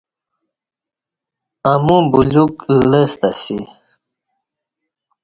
امو بلیوک لستہ اسی